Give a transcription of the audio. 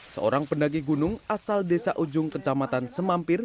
seorang pendagi gunung asal desa ujung kecamatan semampir